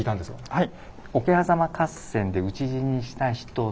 はい。